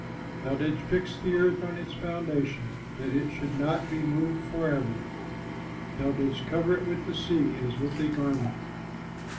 Thou didst fix the earth on its foundations, That it should not be moved forever. Thou didst cover it with the sea as with a garment.